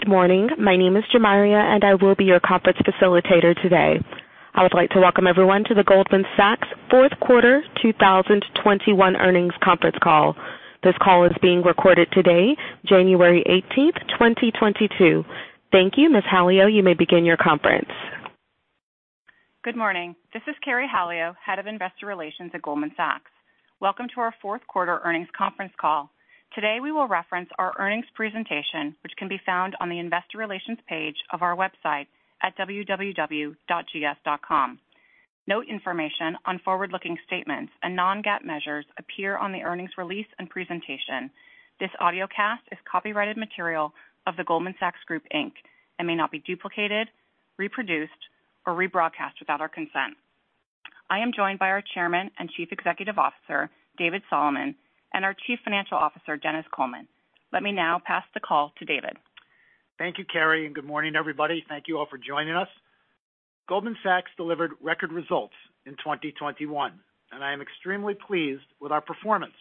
Good morning. My name is Jamaria, and I will be your conference facilitator today. I would like to welcome everyone to the Goldman Sachs Fourth Quarter 2021 Earnings Conference Call. This call is being recorded today, January 18, 2022. Thank you. Ms. Halio, you may begin your conference. Good morning. This is Carey Halio, Head of Investor Relations at Goldman Sachs. Welcome to our fourth quarter earnings conference call. Today we will reference our earnings presentation, which can be found on the investor relations page of our website at www.gs.com. Note information on forward-looking statements and non-GAAP measures appear on the earnings release and presentation. This audiocast is copyrighted material of The Goldman Sachs Group, Inc. may not be duplicated, reproduced, or rebroadcast without our consent. I am joined by our Chairman and Chief Executive Officer, David Solomon, and our Chief Financial Officer, Denis Coleman. Let me now pass the call to David. Thank you, Carey, and good morning, everybody. Thank you all for joining us. Goldman Sachs delivered record results in 2021, and I am extremely pleased with our performance.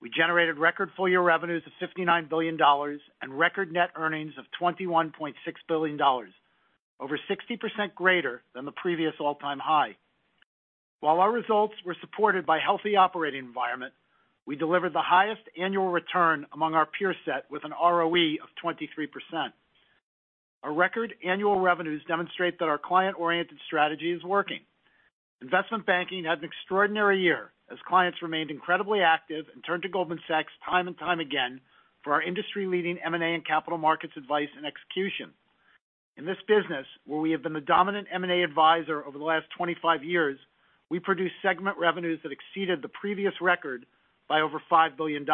We generated record full-year revenues of $59 billion and record net earnings of $21.6 billion, over 60% greater than the previous all-time high. While our results were supported by healthy operating environment, we delivered the highest annual return among our peer set with an ROE of 23%. Our record annual revenues demonstrate that our client-oriented strategy is working. Investment banking had an extraordinary year as clients remained incredibly active and turned to Goldman Sachs time and time again for our industry-leading M&A and capital markets advice and execution. In this business, where we have been the dominant M&A advisor over the last 25 years, we produced segment revenues that exceeded the previous record by over $5 billion.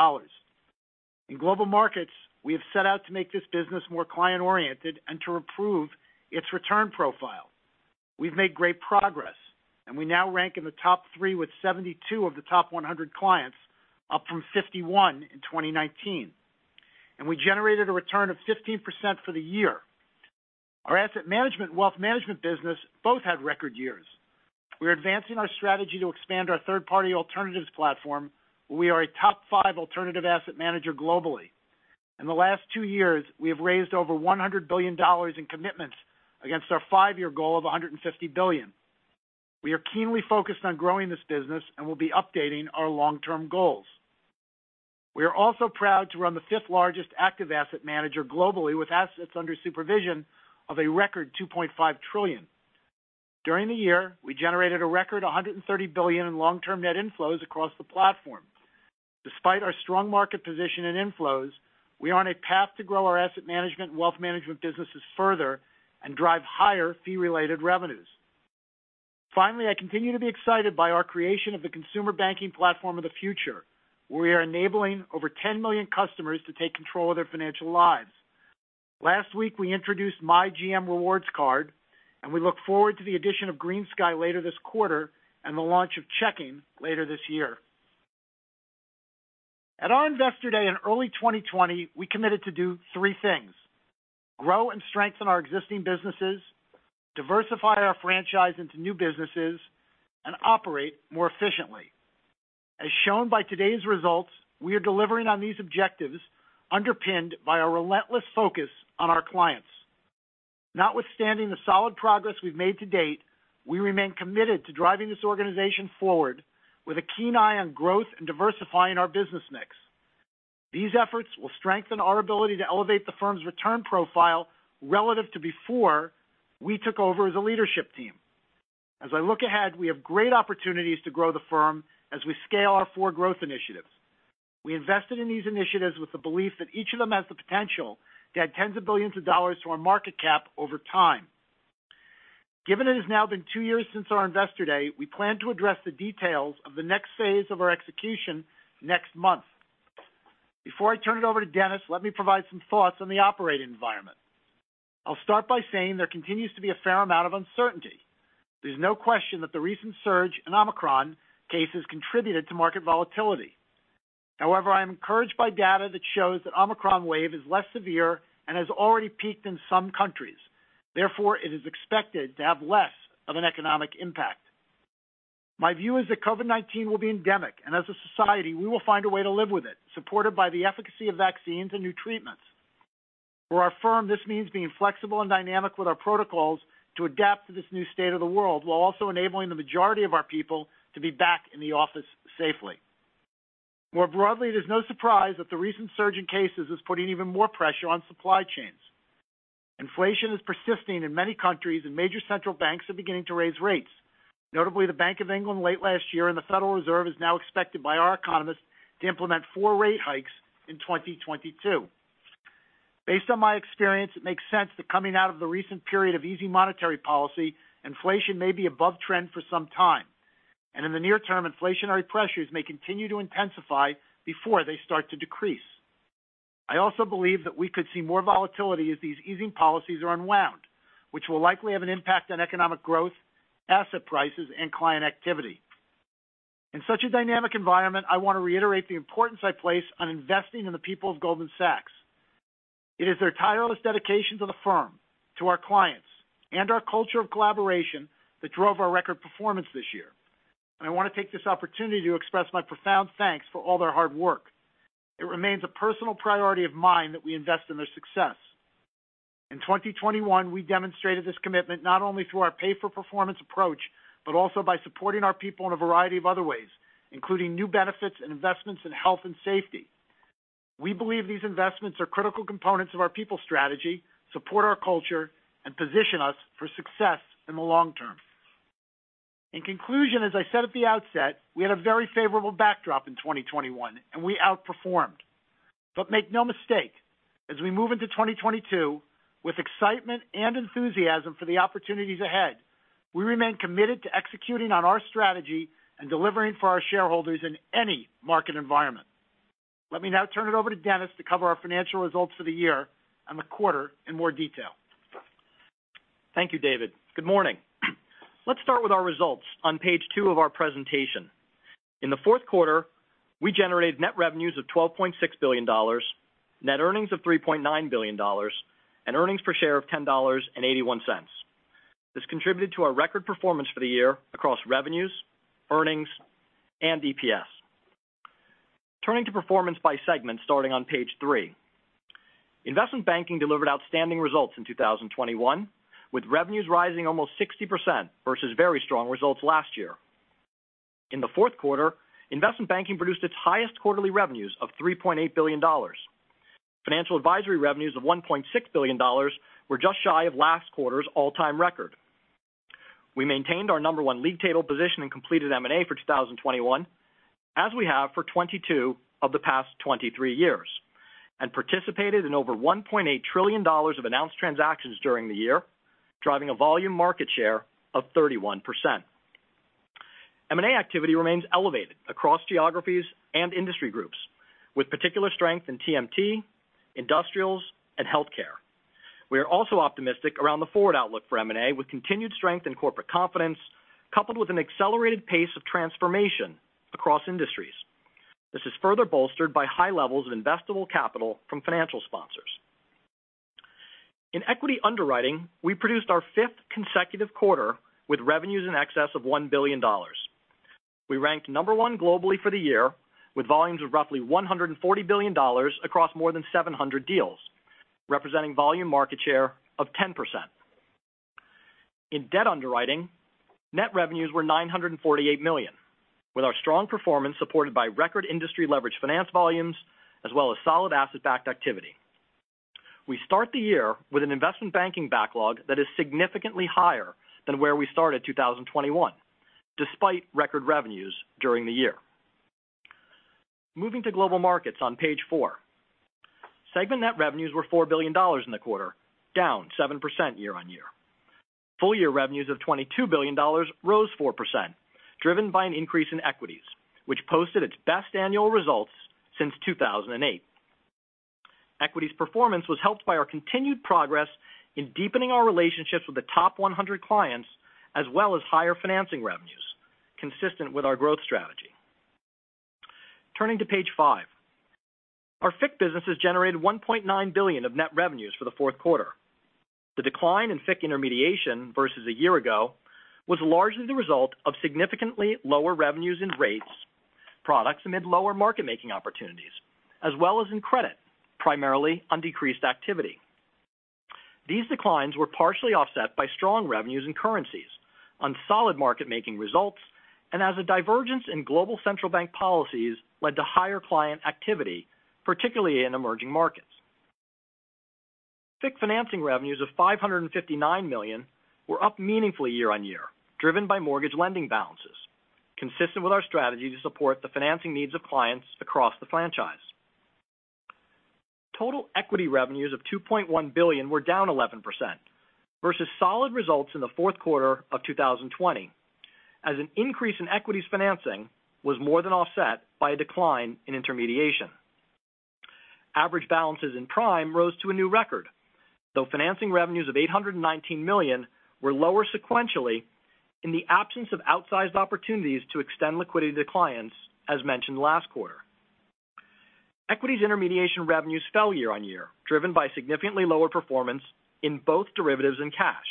In global markets, we have set out to make this business more client-oriented and to improve its return profile. We've made great progress, and we now rank in the top three with 72 of the top 100 clients, up from 51 in 2019. We generated a return of 15% for the year. Our asset management and wealth management business both had record years. We're advancing our strategy to expand our third-party alternatives platform. We are a top five alternative asset manager globally. In the last two years, we have raised over $100 billion in commitments against our five year goal of 150 billion. We are keenly focused on growing this business and will be updating our long-term goals. We are also proud to run the fifth largest active asset manager globally with assets under supervision of a record 2.5 trillion. During the year, we generated a record 130 billion in long-term net inflows across the platform. Despite our strong market position and inflows, we are on a path to grow our asset management and wealth management businesses further and drive higher fee-related revenues. Finally, I continue to be excited by our creation of the consumer banking platform of the future, where we are enabling over 10 million customers to take control of their financial lives. Last week, we introduced My GM Rewards Card, and we look forward to the addition of GreenSky later this quarter and the launch of checking later this year. At our Investor Day in early 2020, we committed to do three things, grow and strengthen our existing businesses, diversify our franchise into new businesses, and operate more efficiently. As shown by today's results, we are delivering on these objectives underpinned by a relentless focus on our clients. Notwithstanding the solid progress we've made to date, we remain committed to driving this organization forward with a keen eye on growth and diversifying our business mix. These efforts will strengthen our ability to elevate the firm's return profile relative to before we took over as a leadership team. As I look ahead, we have great opportunities to grow the firm as we scale our four growth initiatives. We invested in these initiatives with the belief that each of them has the potential to add tens of billions of dollars to our market cap over time. Given it has now been two years since our Investor Day, we plan to address the details of the next phase of our execution next month. Before I turn it over to Denis, let me provide some thoughts on the operating environment. I'll start by saying there continues to be a fair amount of uncertainty. There's no question that the recent surge in Omicron cases contributed to market volatility. However, I am encouraged by data that shows that Omicron wave is less severe and has already peaked in some countries. Therefore, it is expected to have less of an economic impact. My view is that COVID-19 will be endemic, and as a society, we will find a way to live with it, supported by the efficacy of vaccines and new treatments. For our firm, this means being flexible and dynamic with our protocols to adapt to this new state of the world while also enabling the majority of our people to be back in the office safely. More broadly, there's no surprise that the recent surge in cases is putting even more pressure on supply chains. Inflation is persisting in many countries, and major central banks are beginning to raise rates, notably the Bank of England late last year, and the Federal Reserve is now expected by our economists to implement 4 rate hikes in 2022. Based on my experience, it makes sense that coming out of the recent period of easy monetary policy, inflation may be above trend for some time, and in the near term, inflationary pressures may continue to intensify before they start to decrease. I also believe that we could see more volatility as these easing policies are unwound, which will likely have an impact on economic growth, asset prices, and client activity. In such a dynamic environment, I want to reiterate the importance I place on investing in the people of Goldman Sachs. It is their tireless dedication to the firm, to our clients, and our culture of collaboration that drove our record performance this year. I want to take this opportunity to express my profound thanks for all their hard work. It remains a personal priority of mine that we invest in their success. In 2021, we demonstrated this commitment not only through our pay for performance approach, but also by supporting our people in a variety of other ways, including new benefits and investments in health and safety. We believe these investments are critical components of our people strategy, support our culture, and position us for success in the long term. In conclusion, as I said at the outset, we had a very favorable backdrop in 2021, and we outperformed. Make no mistake, as we move into 2022 with excitement and enthusiasm for the opportunities ahead, we remain committed to executing on our strategy and delivering for our shareholders in any market environment. Let me now turn it over to Denis to cover our financial results for the year and the quarter in more detail. Thank you, David. Good morning. Let's start with our results on page two of our presentation. In the fourth quarter, we generated net revenues of $12.6 billion, net earnings of $3.9 billion, and earnings per share of $10.81. This contributed to our record performance for the year across revenues, earnings, and EPS. Turning to performance by segment starting on page three. Investment Banking delivered outstanding results in 2021, with revenues rising almost 60% versus very strong results last year. In the fourth quarter, Investment Banking produced its highest quarterly revenues of $3.8 billion. Financial advisory revenues of $1.6 billion were just shy of last quarter's all-time record. We maintained our number one league table position in completed M&A for 2021, as we have for 22 of the past 23 years, and participated in over $1.8 trillion of announced transactions during the year, driving a volume market share of 31%. M&A activity remains elevated across geographies and industry groups, with particular strength in TMT, industrials, and healthcare. We are also optimistic around the forward outlook for M&A with continued strength in corporate confidence coupled with an accelerated pace of transformation across industries. This is further bolstered by high levels of investable capital from financial sponsors. In equity underwriting, we produced our 5th consecutive quarter with revenues in excess of $1 billion. We ranked number one globally for the year with volumes of roughly $140 billion across more than 700 deals, representing volume market share of 10%. In debt underwriting, net revenues were 948 million, with our strong performance supported by record industry leverage finance volumes as well as solid asset-backed activity. We start the year with an investment banking backlog that is significantly higher than where we started 2021, despite record revenues during the year. Moving to global markets on page four. Segment net revenues were $4 billion in the quarter, down 7% year-over-year. Full year revenues of $22 billion rose 4%, driven by an increase in equities, which posted its best annual results since 2008. Equities performance was helped by our continued progress in deepening our relationships with the top 100 clients as well as higher financing revenues consistent with our growth strategy. Turning to page 5. Our FIC businesses generated 1.9 billion of net revenues for the fourth quarter. The decline in FIC intermediation versus a year ago was largely the result of significantly lower revenues in rates products amid lower market making opportunities, as well as in credit, primarily on decreased activity. These declines were partially offset by strong revenues in currencies on solid market making results and as a divergence in global central bank policies led to higher client activity, particularly in emerging markets. FIC financing revenues of 559 million were up meaningfully year-on-year, driven by mortgage lending balances, consistent with our strategy to support the financing needs of clients across the franchise. Total equity revenues of 2.1 billion were down 11% versus solid results in the fourth quarter of 2020 as an increase in equities financing was more than offset by a decline in intermediation. Average balances in prime rose to a new record, though financing revenues of 819 million were lower sequentially in the absence of outsized opportunities to extend liquidity to clients, as mentioned last quarter. Equities intermediation revenues fell year-on-year, driven by significantly lower performance in both derivatives and cash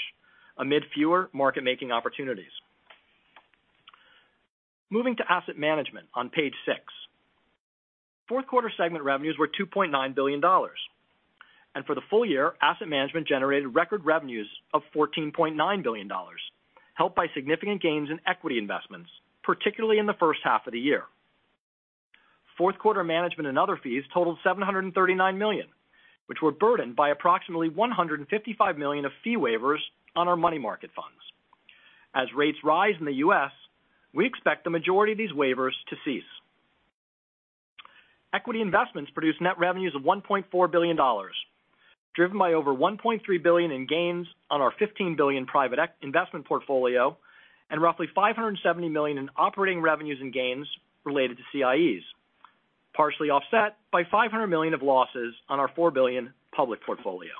amid fewer market making opportunities. Moving to Asset Management on page six. Fourth quarter segment revenues were $2.9 billion. For the full year, asset management generated record revenues of $14.9 billion, helped by significant gains in equity investments, particularly in the first half of the year. Fourth quarter management and other fees totaled $739 million, which were burdened by approximately 155 million of fee waivers on our money market funds. As rates rise in the U.S., we expect the majority of these waivers to cease. Equity investments produced net revenues of $1.4 billion, driven by over 1.3 billion in gains on our 15 billion private investment portfolio, and roughly 570 million in operating revenues and gains related to CIEs, partially offset by 500 million of losses on our four billion public portfolio.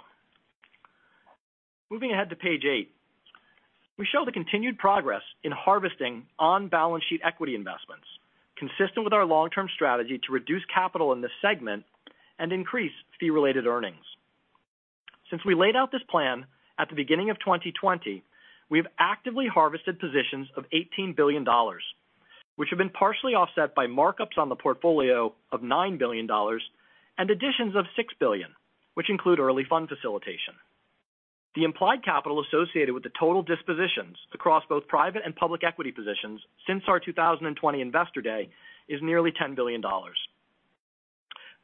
Moving ahead to page eight. We show the continued progress in harvesting on-balance sheet equity investments consistent with our long-term strategy to reduce capital in this segment and increase fee-related earnings. Since we laid out this plan at the beginning of 2020, we have actively harvested positions of $18 billion, which have been partially offset by markups on the portfolio of $9 billion and additions of six billion, which include early fund facilitation. The implied capital associated with the total dispositions across both private and public equity positions since our 2020 investor day is nearly $10 billion.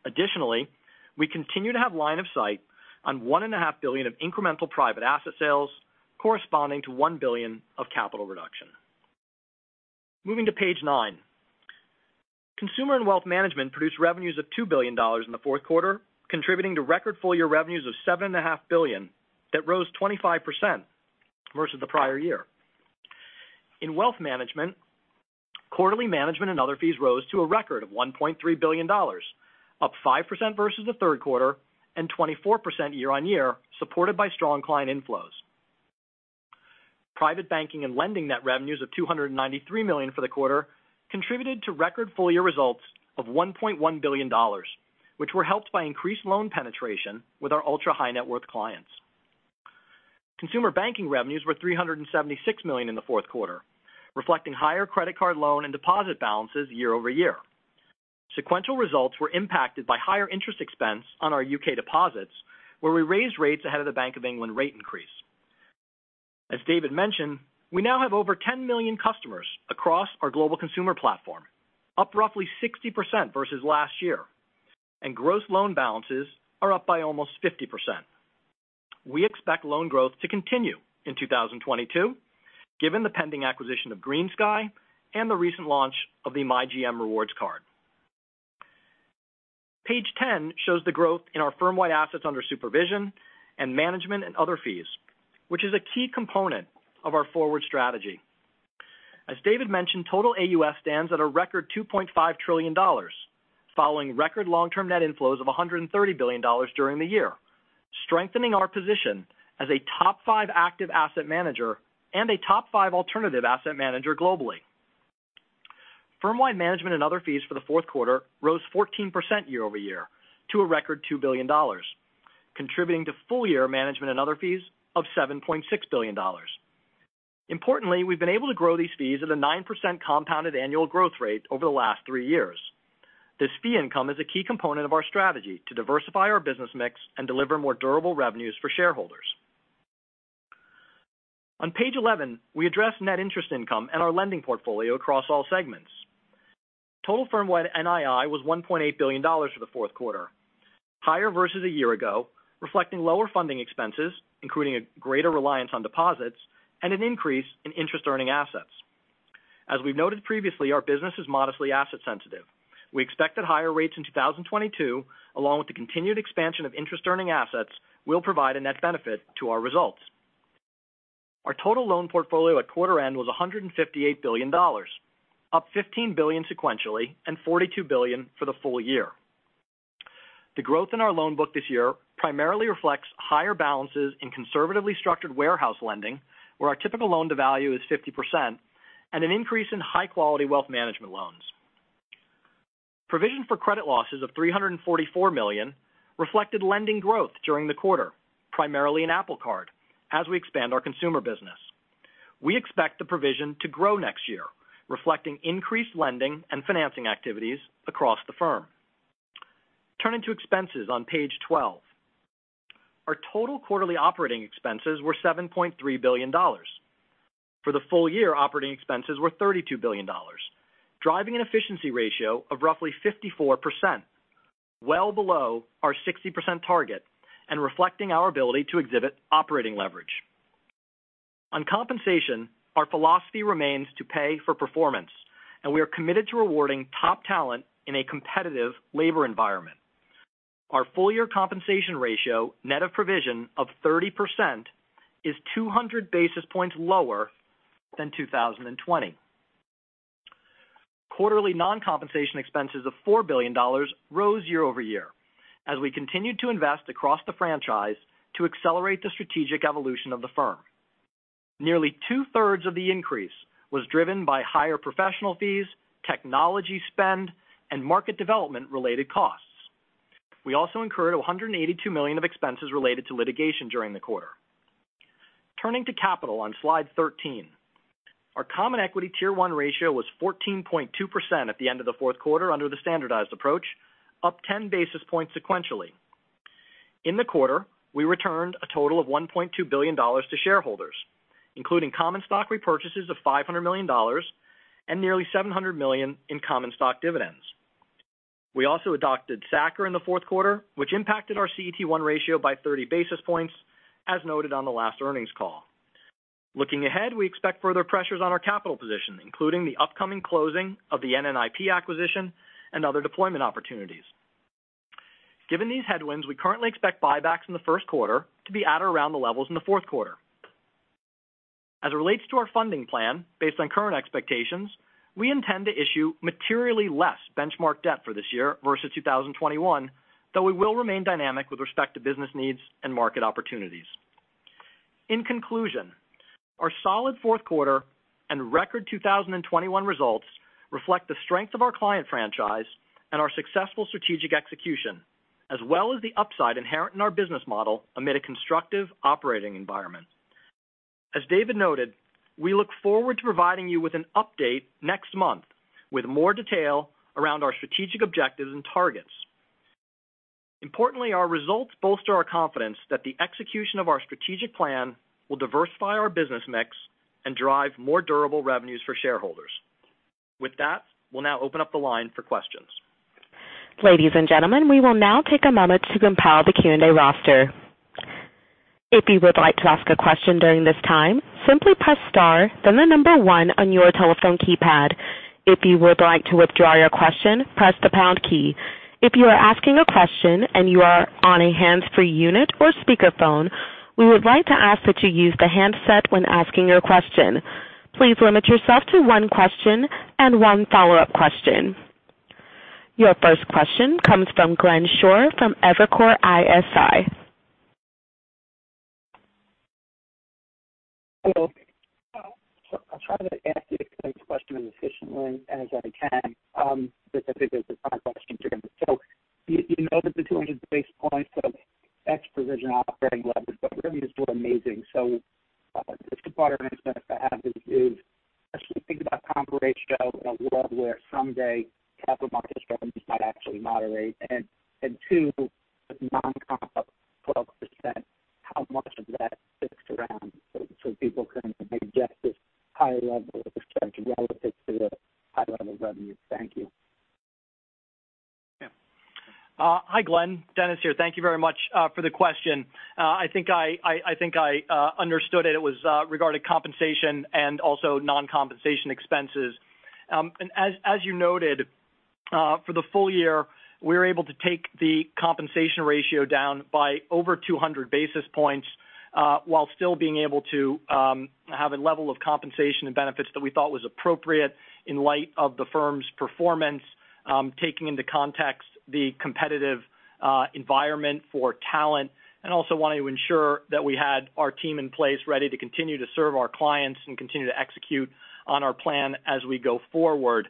Additionally, we continue to have line of sight on $1.5 billion of incremental private asset sales corresponding to one billion of capital reduction. Moving to page nine. Consumer and Wealth Management produced revenues of $2 billion in the fourth quarter, contributing to record full-year revenues of 7.5 billion that rose 25% versus the prior year. In Wealth Management, quarterly management and other fees rose to a record of $1.3 billion, up 5% versus the third quarter and 24% year-on-year, supported by strong client inflows. Private Banking and Lending net revenues of 293 million for the quarter contributed to record full-year results of $1.1 billion, which were helped by increased loan penetration with our ultra-high net worth clients. Consumer Banking revenues were 376 million in the fourth quarter, reflecting higher credit card loan and deposit balances year-over-year. Sequential results were impacted by higher interest expense on our U.K. deposits, where we raised rates ahead of the Bank of England rate increase. As David mentioned, we now have over 10 million customers across our global consumer platform, up roughly 60% versus last year, and gross loan balances are up by almost 50%. We expect loan growth to continue in 2022, given the pending acquisition of GreenSky and the recent launch of the My GM Rewards Card. Page 10 shows the growth in our firm-wide assets under supervision and management and other fees, which is a key component of our forward strategy. As David mentioned, total AUS stands at a record $2.5 trillion following record long-term net inflows of $130 billion during the year, strengthening our position as a top five active asset manager and a top five alternative asset manager globally. Firm-wide management and other fees for the fourth quarter rose 14% year-over-year to a record $2 billion, contributing to full-year management and other fees of $7.6 billion. Importantly, we've been able to grow these fees at a 9% compounded annual growth rate over the last three years. This fee income is a key component of our strategy to diversify our business mix and deliver more durable revenues for shareholders. On page 11, we address net interest income and our lending portfolio across all segments. Total firm-wide NII was $1.8 billion for the fourth quarter, higher versus a year ago, reflecting lower funding expenses, including a greater reliance on deposits and an increase in interest earning assets. As we've noted previously, our business is modestly asset sensitive. We expect that higher rates in 2022, along with the continued expansion of interest earning assets, will provide a net benefit to our results. Our total loan portfolio at quarter end was $58 billion, up 15 billion sequentially and 42 billion for the full year. The growth in our loan book this year primarily reflects higher balances in conservatively structured warehouse lending, where our typical loan to value is 50% and an increase in high-quality wealth management loans. Provision for credit losses of 344 million reflected lending growth during the quarter, primarily in Apple Card as we expand our consumer business. We expect the provision to grow next year, reflecting increased lending and financing activities across the firm. Turning to expenses on page 12. Our total quarterly operating expenses were $7.3 billion. For the full year, operating expenses were $32 billion, driving an efficiency ratio of roughly 54%, well below our 60% target and reflecting our ability to exhibit operating leverage. On compensation, our philosophy remains to pay for performance, and we are committed to rewarding top talent in a competitive labor environment. Our full-year compensation ratio, net of provision of 30%, is 200 basis points lower than 2020. Quarterly non-compensation expenses of four billion rose year-over-year as we continued to invest across the franchise to accelerate the strategic evolution of the firm. Nearly two-thirds of the increase was driven by higher professional fees, technology spend, and market development related costs. We also incurred 182 million of expenses related to litigation during the quarter. Turning to capital on slide 13. Our Common Equity Tier 1 ratio was 14.2% at the end of the fourth quarter under the Standardized Approach, up 10 basis points sequentially. In the quarter, we returned a total of 1.2 billion to shareholders, including common stock repurchases of $500 million and nearly 700 million in common stock dividends. We also adopted SA-CCR in the fourth quarter, which impacted our CET1 ratio by 30 basis points as noted on the last earnings call. Looking ahead, we expect further pressures on our capital position, including the upcoming closing of the NNIP acquisition and other deployment opportunities. Given these headwinds, we currently expect buybacks in the first quarter to be at or around the levels in the fourth quarter. As it relates to our funding plan, based on current expectations, we intend to issue materially less benchmark debt for this year versus 2021, though we will remain dynamic with respect to business needs and market opportunities. In conclusion, our solid fourth quarter and record 2021 results reflect the strength of our client franchise and our successful strategic execution, as well as the upside inherent in our business model amid a constructive operating environment. As David noted, we look forward to providing you with an update next month with more detail around our strategic objectives and targets. Importantly, our results bolster our confidence that the execution of our strategic plan will diversify our business mix and drive more durable revenues for shareholders. With that, we'll now open up the line for questions. Ladies and gentlemen, we will now take a moment to compile the Q&A roster. If you would like to ask a question during this time, simply press star then 1 on your telephone keypad. If you would like to withdraw your question, press the pound key. If you are asking a question and you are on a hands-free unit or speakerphone, we would like to ask that you use the handset when asking your question. Please limit yourself to one question and one follow-up question. Your first question comes from Glenn Schorr from Evercore ISI. Hello. I'll try to ask you to explain this question as efficiently as I can, because I think there's a ton of questions here. You noted the 200 basis points of ex-provision operating leverage, but revenues were amazing. The two-part I meant to ask is, as you think about comp ratio in a world where someday capital markets revenues might actually moderate. Two non-comp up 12%, how much of that sticks around so people can maybe adjust this higher level of expense relative to the high level of revenue. Thank you. Yeah. Hi, Glenn. Denis here. Thank you very much for the question. I think I understood it. It was regarding compensation and also non-compensation expenses. As you noted, for the full year, we were able to take the compensation ratio down by over 200 basis points, while still being able to have a level of compensation and benefits that we thought was appropriate in light of the firm's performance, taking into context the competitive environment for talent, and also wanting to ensure that we had our team in place ready to continue to serve our clients and continue to execute on our plan as we go forward.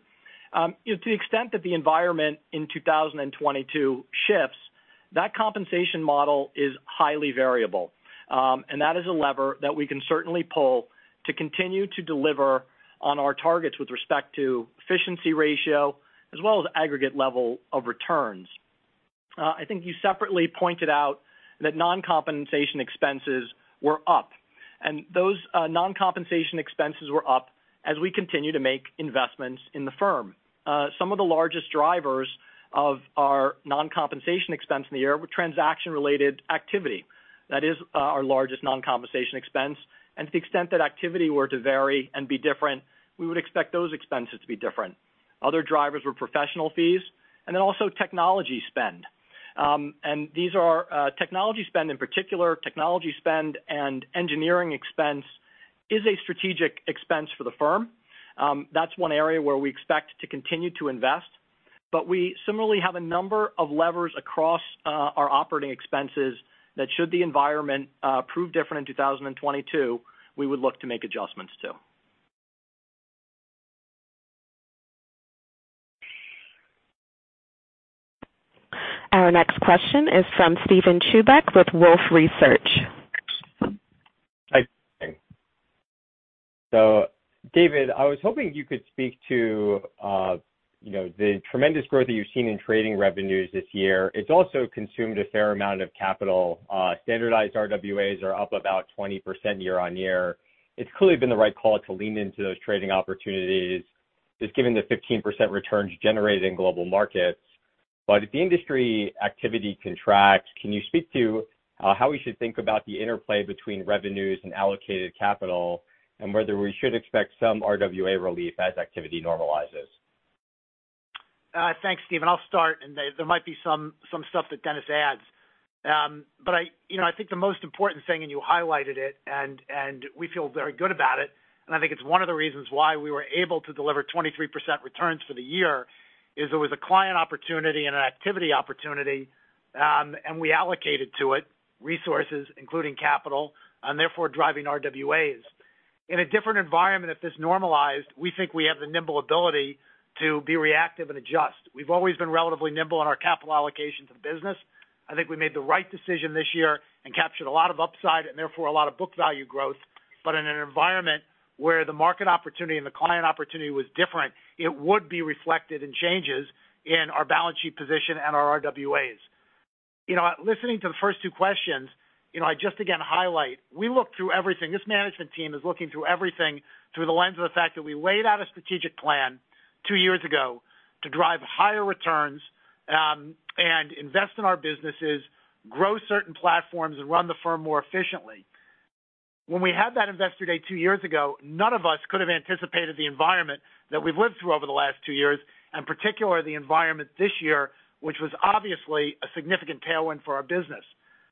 You know, to the extent that the environment in 2022 shifts, that compensation model is highly variable. That is a lever that we can certainly pull to continue to deliver on our targets with respect to efficiency ratio as well as aggregate level of returns. I think you separately pointed out that non-compensation expenses were up as we continue to make investments in the firm. Some of the largest drivers of our non-compensation expense in the year were transaction-related activity. That is, our largest non-compensation expense, and to the extent that activity were to vary and be different, we would expect those expenses to be different. Other drivers were professional fees and then also technology spend. These are technology spend, in particular, and engineering expense is a strategic expense for the firm. That's one area where we expect to continue to invest, but we similarly have a number of levers across our operating expenses that, should the environment prove different in 2022, we would look to make adjustments to. Our next question is from Steven Chubak with Wolfe Research. Hi. David, I was hoping you could speak to the tremendous growth that you've seen in trading revenues this year. It's also consumed a fair amount of capital. Standardized RWAs are up about 20% year-over-year. It's clearly been the right call to lean into those trading opportunities just given the 15% returns generated in global markets. If the industry activity contracts, can you speak to how we should think about the interplay between revenues and allocated capital and whether we should expect some RWA relief as activity normalizes? Thanks, Steven. I'll start, and there might be some stuff that Denis adds. But, you know, I think the most important thing, and you highlighted it, and we feel very good about it, and I think it's one of the reasons why we were able to deliver 23% returns for the year is there was a client opportunity and an activity opportunity, and we allocated to it resources including capital and therefore driving RWAs. In a different environment, if this normalized, we think we have the nimble ability to be reactive and adjust. We've always been relatively nimble in our capital allocation to the business. I think we made the right decision this year and captured a lot of upside and therefore a lot of book value growth. In an environment where the market opportunity and the client opportunity was different, it would be reflected in changes in our balance sheet position and our RWAs. You know, listening to the first two questions, you know, I just again highlight we look through everything. This management team is looking through everything through the lens of the fact that we laid out a strategic plan two years ago to drive higher returns, and invest in our businesses, grow certain platforms, and run the firm more efficiently. When we had that investor day two years ago, none of us could have anticipated the environment that we've lived through over the last two years, and particularly the environment this year, which was obviously a significant tailwind for our business.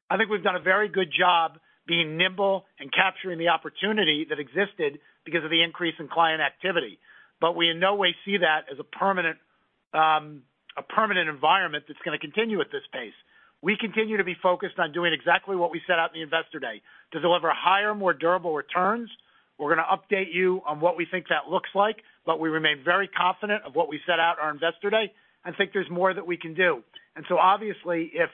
I think we've done a very good job being nimble and capturing the opportunity that existed because of the increase in client activity. We in no way see that as a permanent environment that's gonna continue at this pace. We continue to be focused on doing exactly what we set out in the Investor Day, to deliver higher, more durable returns. We're gonna update you on what we think that looks like, but we remain very confident of what we set out on our Investor Day, and think there's more that we can do. Obviously, if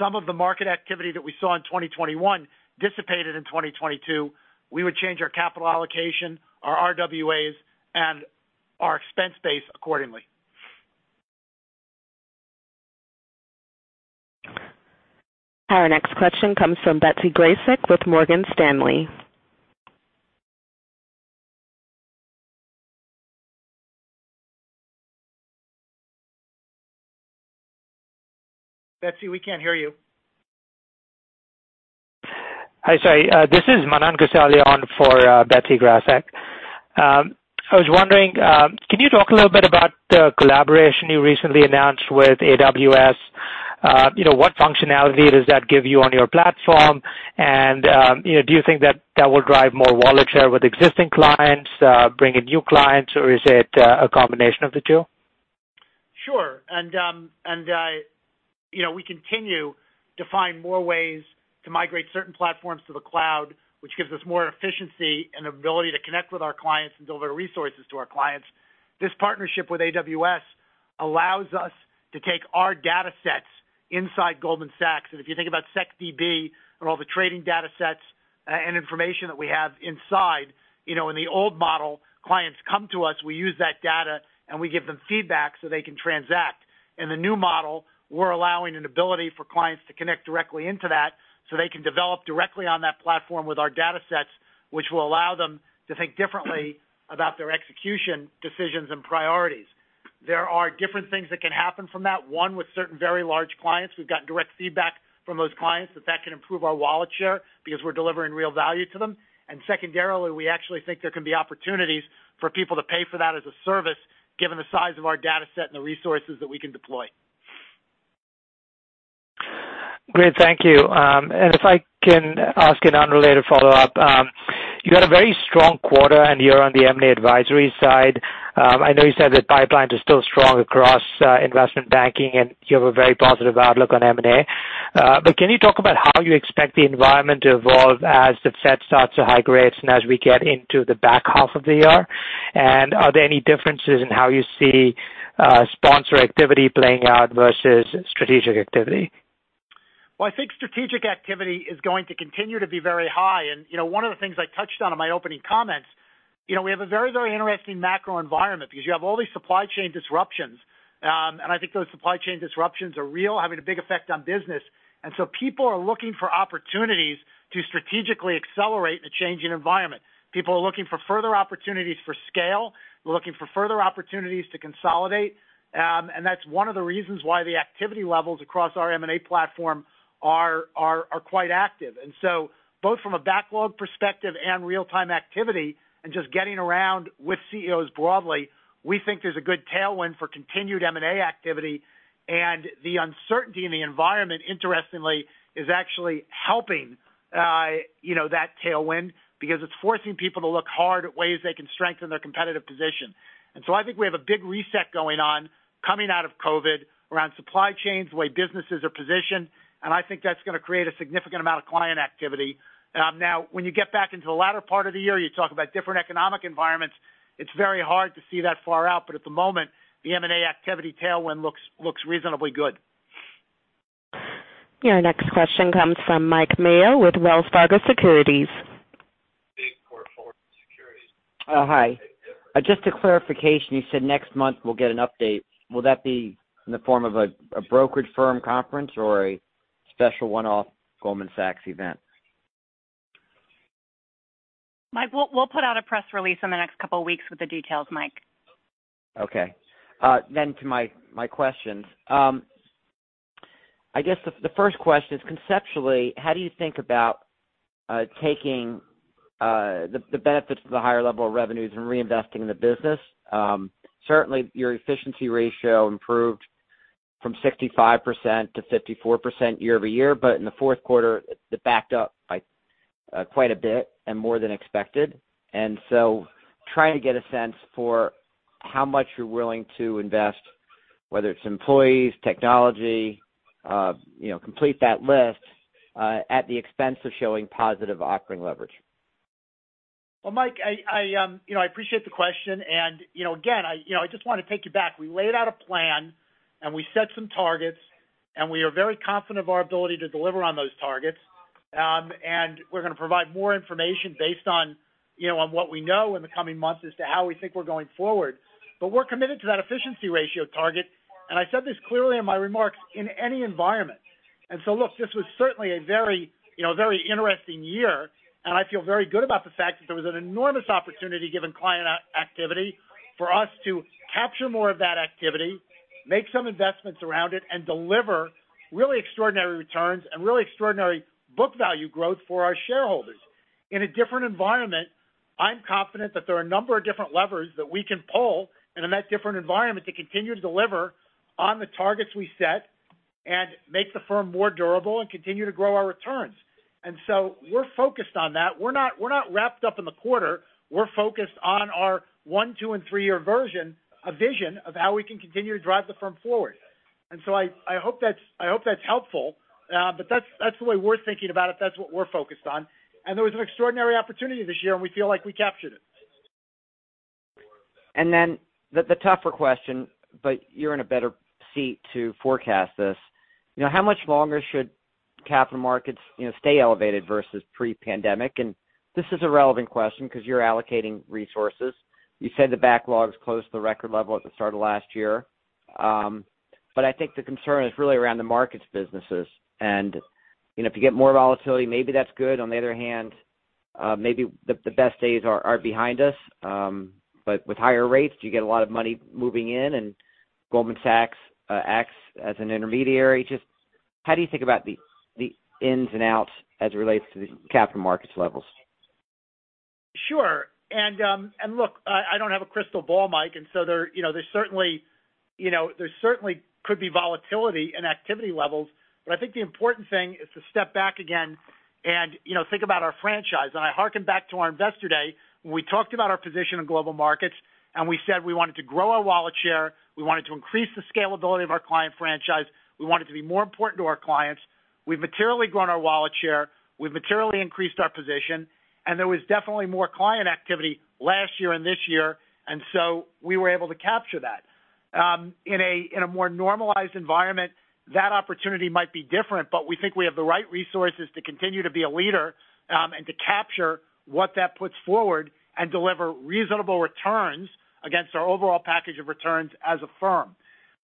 some of the market activity that we saw in 2021 dissipated in 2022, we would change our capital allocation, our RWAs, and our expense base accordingly. Our next question comes from Betsy Graseck with Morgan Stanley. Betsy, we can't hear you. Hi. Sorry. This is Manan Gosalia on for Betsy Graseck. I was wondering, can you talk a little bit about the collaboration you recently announced with AWS? You know, what functionality does that give you on your platform? You know, do you think that that will drive more wallet share with existing clients, bring in new clients, or is it a combination of the two? Sure. You know, we continue to find more ways to migrate certain platforms to the cloud, which gives us more efficiency and ability to connect with our clients and deliver resources to our clients. This partnership with AWS allows us to take our datasets inside Goldman Sachs. If you think about SecDB and all the trading datasets and information that we have inside, you know, in the old model, clients come to us, we use that data, and we give them feedback so they can transact. In the new model, we're allowing an ability for clients to connect directly into that, so they can develop directly on that platform with our datasets, which will allow them to think differently about their execution decisions and priorities. There are different things that can happen from that. One, with certain very large clients, we've got direct feedback from those clients that can improve our wallet share because we're delivering real value to them. Secondarily, we actually think there can be opportunities for people to pay for that as a service, given the size of our dataset and the resources that we can deploy. Great. Thank you. If I can ask an unrelated follow-up. You had a very strong quarter, and you're on the M&A advisory side. I know you said that pipelines are still strong across investment banking, and you have a very positive outlook on M&A. Can you talk about how you expect the environment to evolve as the Fed starts to hike rates and as we get into the back half of the year? Are there any differences in how you see sponsor activity playing out versus strategic activity? Well, I think strategic activity is going to continue to be very high. You know, one of the things I touched on in my opening comments, you know, we have a very, very interesting macro environment because you have all these supply chain disruptions. I think those supply chain disruptions are real, having a big effect on business. People are looking for opportunities to strategically accelerate in a changing environment. People are looking for further opportunities for scale. We're looking for further opportunities to consolidate. That's one of the reasons why the activity levels across our M&A platform are quite active. Both from a backlog perspective and real-time activity and just getting around with CEOs broadly, we think there's a good tailwind for continued M&A activity. The uncertainty in the environment, interestingly, is actually helping, you know, that tailwind because it's forcing people to look hard at ways they can strengthen their competitive position. I think we have a big reset going on coming out of COVID around supply chains, the way businesses are positioned, and I think that's gonna create a significant amount of client activity. Now when you get back into the latter part of the year, you talk about different economic environments, it's very hard to see that far out, but at the moment, the M&A activity tailwind looks reasonably good. Your next question comes from Mike Mayo with Wells Fargo Securities. Oh, hi. Just a clarification. You said next month we'll get an update. Will that be in the form of a brokerage firm conference or a special one-off Goldman Sachs event? Mike, we'll put out a press release in the next couple weeks with the details, Mike. Okay. Then to my questions. I guess the first question is, conceptually, how do you think about taking the benefits of the higher level of revenues and reinvesting in the business? Certainly, your efficiency ratio improved from 65%-54% year-over-year, but in the fourth quarter, it backed up by quite a bit and more than expected. Trying to get a sense for how much you're willing to invest, whether it's employees, technology, you know, complete that list, at the expense of showing positive operating leverage. Well, Mike, I, you know, I appreciate the question. You know, again, I, you know, I just wanna take you back. We laid out a plan, and we set some targets, and we are very confident of our ability to deliver on those targets. We're gonna provide more information based on, you know, on what we know in the coming months as to how we think we're going forward. But we're committed to that efficiency ratio target, and I said this clearly in my remarks, in any environment. Look, this was certainly a very, you know, very interesting year, and I feel very good about the fact that there was an enormous opportunity given client activity for us to capture more of that activity, make some investments around it, and deliver really extraordinary returns and really extraordinary book value growth for our shareholders. In a different environment, I'm confident that there are a number of different levers that we can pull and in that different environment to continue to deliver on the targets we set and make the firm more durable and continue to grow our returns. We're focused on that. We're not wrapped up in the quarter. We're focused on our one, two, and three-year vision of how we can continue to drive the firm forward. I hope that's helpful. That's the way we're thinking about it. That's what we're focused on. There was an extraordinary opportunity this year, and we feel like we captured it. The tougher question, but you're in a better seat to forecast this. You know, how much longer should capital markets, you know, stay elevated versus pre-pandemic? This is a relevant question because you're allocating resources. You said the backlogs close to the record level at the start of last year. I think the concern is really around the markets businesses. You know, if you get more volatility, maybe that's good. On the other hand, maybe the best days are behind us. With higher rates, do you get a lot of money moving in and Goldman Sachs acts as an intermediary? Just how do you think about the ins and outs as it relates to the capital markets levels? Sure. Look, I don't have a crystal ball, Mike. There you know, there certainly could be volatility in activity levels. I think the important thing is to step back again and, you know, think about our franchise. I hearken back to our Investor Day when we talked about our position in global markets, and we said we wanted to grow our wallet share, we wanted to increase the scalability of our client franchise, we wanted to be more important to our clients. We've materially grown our wallet share, we've materially increased our position, and there was definitely more client activity last year and this year, and so we were able to capture that. In a more normalized environment, that opportunity might be different, but we think we have the right resources to continue to be a leader, and to capture what that puts forward and deliver reasonable returns against our overall package of returns as a firm.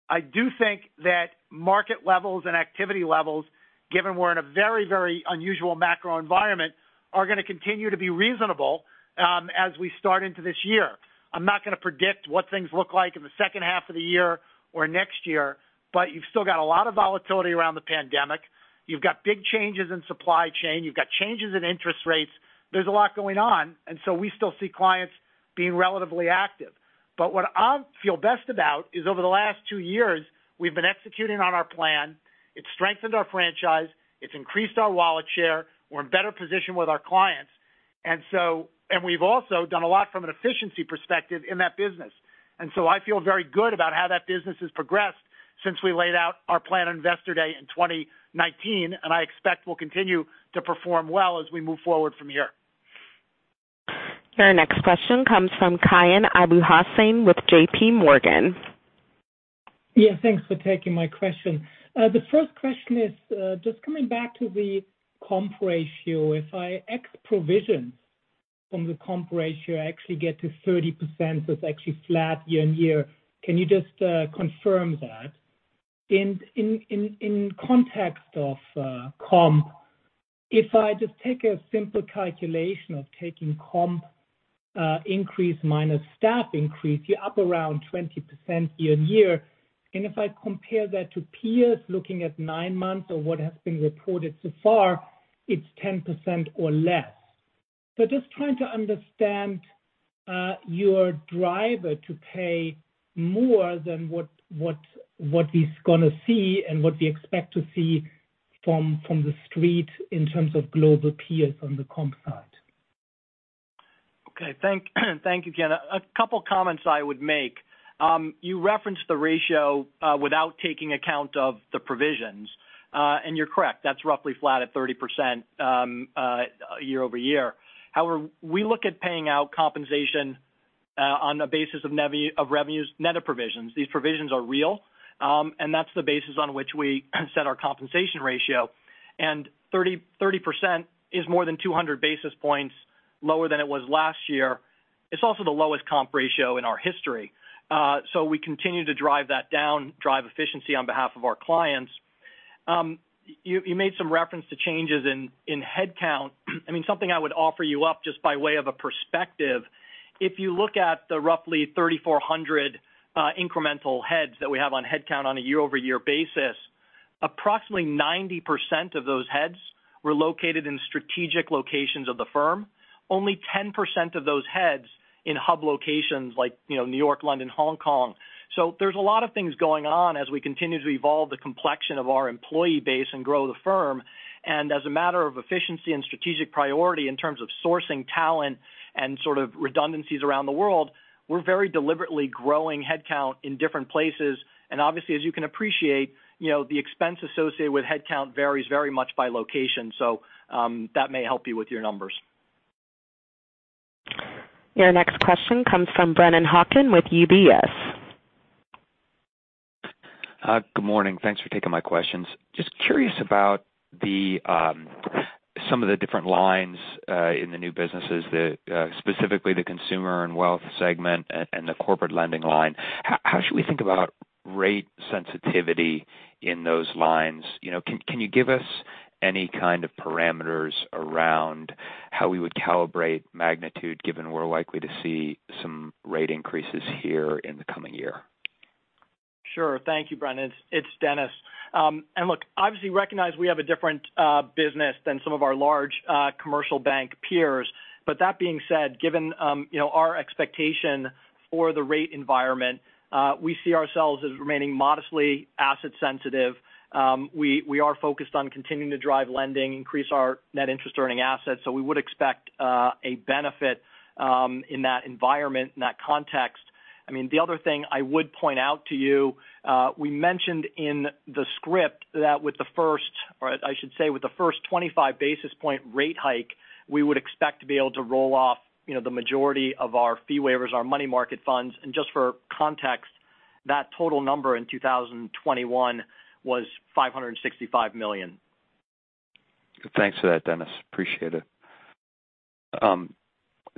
I do think that market levels and activity levels, given we're in a very, very unusual macro environment, are gonna continue to be reasonable, as we start into this year. I'm not gonna predict what things look like in the second half of the year or next year, but you've still got a lot of volatility around the pandemic. You've got big changes in supply chain. You've got changes in interest rates. There's a lot going on, and so we still see clients being relatively active. What I feel best about is over the last two years, we've been executing on our plan. It's strengthened our franchise. It's increased our wallet share. We're in better position with our clients, and we've also done a lot from an efficiency perspective in that business. I feel very good about how that business has progressed since we laid out our plan on Investor Day in 2019, and I expect we'll continue to perform well as we move forward from here. Your next question comes from Kian Abouhossein with J.P. Morgan. Yeah, thanks for taking my question. The first question is just coming back to the comp ratio. If I ex provision from the comp ratio, I actually get to 30%. That's actually flat year-over-year. Can you just confirm that? In context of comp, if I just take a simple calculation of taking comp increase minus staff increase, you're up around 20% year-over-year. If I compare that to peers looking at 9 months or what has been reported so far, it's 10% or less. Just trying to understand your driver to pay more than what he's gonna see and what we expect to see from the street in terms of global peers on the comp side. Okay, thank you, Kian. A couple comments I would make. You referenced the ratio without taking account of the provisions. You're correct, that's roughly flat at 30%, year-over-year. However, we look at paying out compensation on the basis of revenues net of provisions. These provisions are real, and that's the basis on which we set our compensation ratio. 30% is more than 200 basis points lower than it was last year. It's also the lowest comp ratio in our history. We continue to drive that down, drive efficiency on behalf of our clients. You made some reference to changes in headcount. I mean, something I would offer you up just by way of a perspective, if you look at the roughly 3,400 incremental heads that we have on headcount on a year-over-year basis, approximately 90% of those heads were located in strategic locations of the firm. Only 10% of those heads in hub locations like, you know, New York, London, Hong Kong. There's a lot of things going on as we continue to evolve the complexion of our employee base and grow the firm. As a matter of efficiency and strategic priority in terms of sourcing talent and sort of redundancies around the world, we're very deliberately growing headcount in different places. Obviously, as you can appreciate, you know, the expense associated with headcount varies very much by location. That may help you with your numbers. Your next question comes from Brennan Hawken with UBS. Good morning. Thanks for taking my questions. Just curious about some of the different lines in the new businesses, specifically the consumer and wealth segment and the corporate lending line. How should we think about rate sensitivity in those lines? You know, can you give us any kind of parameters around how we would calibrate magnitude given we're likely to see some rate increases here in the coming year? Sure. Thank you, Brennan. It's Denis. Look, obviously we recognize we have a different business than some of our large commercial bank peers. That being said, given you know, our expectation for the rate environment, we see ourselves as remaining modestly asset sensitive. We are focused on continuing to drive lending, increase our net interest earning assets. We would expect a benefit in that environment, in that context. I mean, the other thing I would point out to you, we mentioned in the script that with the first, or I should say, with the first 25 basis point rate hike, we would expect to be able to roll off you know, the majority of our fee waivers, our money market funds. Just for context, that total number in 2021 was $565 million. Thanks for that, David. I appreciate it.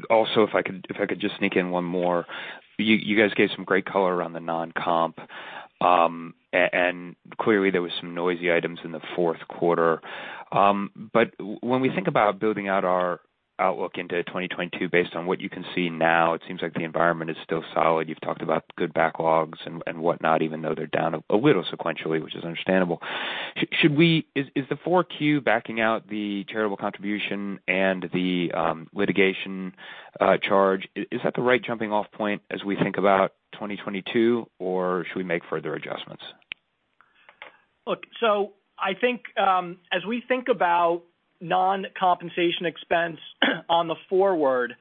Also, if I could just sneak in one more. You guys gave some great color around the non-comp, and clearly there was some noisy items in the fourth quarter. When we think about building out our outlook into 2022 based on what you can see now, it seems like the environment is still solid. You've talked about good backlogs and whatnot, even though they're down a little sequentially, which is understandable. Is the 4Q backing out the charitable contribution and the litigation charge, is that the right jumping off point as we think about 2022 or should we make further adjustments? Look, I think, as we think about non-compensation expense on the forward,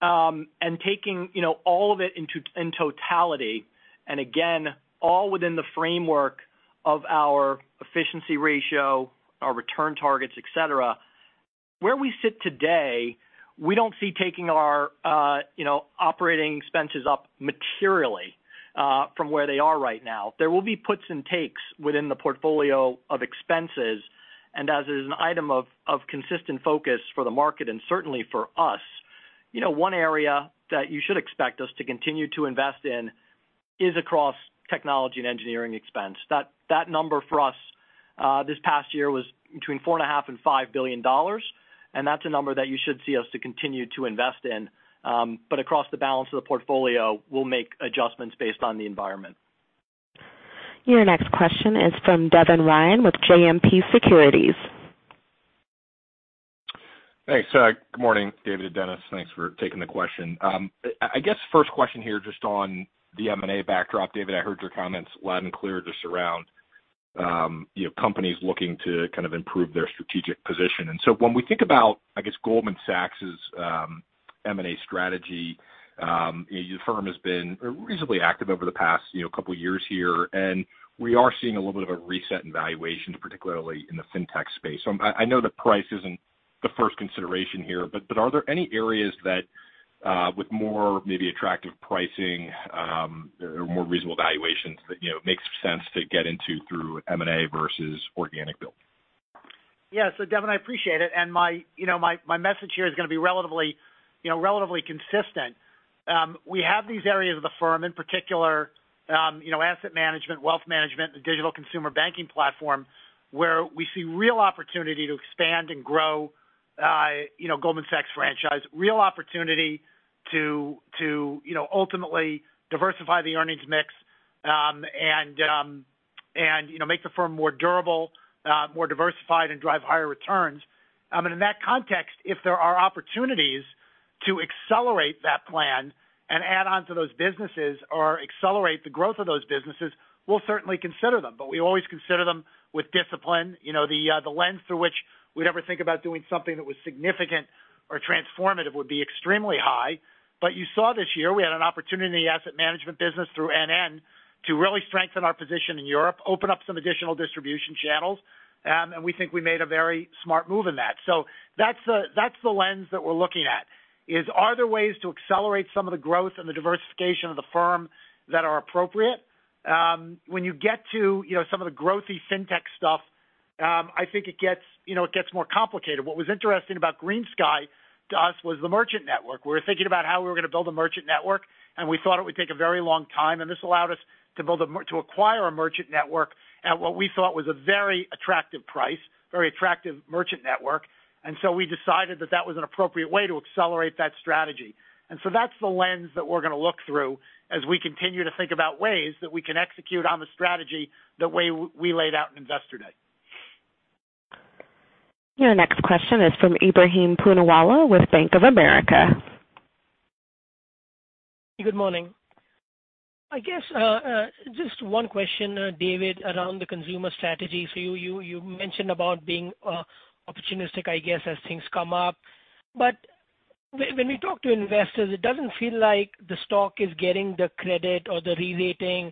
and taking, you know, all of it in totality, and again, all within the framework of our efficiency ratio, our return targets, et cetera. Where we sit today, we don't see taking our, you know, operating expenses up materially, from where they are right now. There will be puts and takes within the portfolio of expenses. As an item of consistent focus for the market and certainly for us, you know, one area that you should expect us to continue to invest in is across technology and engineering expense. That number for us, this past year was between 4.5 billion-$5 billion, and that's a number that you should see us to continue to invest in. Across the balance of the portfolio, we'll make adjustments based on the environment. Your next question is from Devin Ryan with JMP Securities. Thanks. Good morning, David and Denis. Thanks for taking the question. I guess first question here, just on the M&A backdrop. David, I heard your comments loud and clear just around you know, companies looking to kind of improve their strategic position. When we think about, I guess, Goldman Sachs' M&A strategy, the firm has been reasonably active over the past, you know, couple of years here, and we are seeing a little bit of a reset in valuations, particularly in the fintech space. I know that price isn't the first consideration here, but are there any areas that with more maybe attractive pricing or more reasonable valuations that you know, makes sense to get into through M&A versus organic build? Yeah, Devin, I appreciate it. My message here is gonna be relatively consistent. We have these areas of the firm in particular, you know, asset management, wealth management, the digital consumer banking platform, where we see real opportunity to expand and grow, you know, Goldman Sachs franchise. Real opportunity to, you know, ultimately diversify the earnings mix, and, you know, make the firm more durable, more diversified and drive higher returns. In that context, if there are opportunities to accelerate that plan and add on to those businesses or accelerate the growth of those businesses, we'll certainly consider them. We always consider them with discipline. You know, the lens through which we'd ever think about doing something that was significant or transformative would be extremely high. You saw this year we had an opportunity in the asset management business through NNIP to really strengthen our position in Europe, open up some additional distribution channels, and we think we made a very smart move in that. That's the lens that we're looking at is, are there ways to accelerate some of the growth and the diversification of the firm that are appropriate? When you get to, you know, some of the growthy fintech stuff, I think it gets, you know, more complicated. What was interesting about GreenSky to us was the merchant network. We were thinking about how we were gonna build a merchant network, and we thought it would take a very long time, and this allowed us to acquire a merchant network at what we thought was a very attractive price, very attractive merchant network. We decided that that was an appropriate way to accelerate that strategy. That's the lens that we're gonna look through as we continue to think about ways that we can execute on the strategy, the way we laid out in Investor Day. Your next question is from Ebrahim Poonawala with Bank of America. Good morning. I guess just one question, David, around the consumer strategy. You mentioned about being opportunistic, I guess, as things come up. When we talk to investors, it doesn't feel like the stock is getting the credit or the re-rating